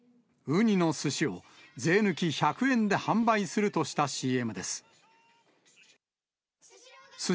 うにのすしを税抜き１００円で販売するとしたＣＭです。